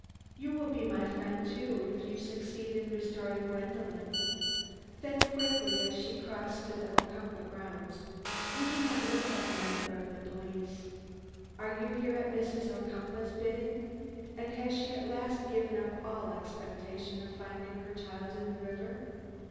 "You will be my friend, too, if you succeed in restoring Gwendolen." Then quickly, as she crossed to the Ocumpaugh grounds: "You do not look like a member of the police. Are you here at Mrs. Ocumpaugh's bidding, and has she at last given up all expectation of finding her child in the river?"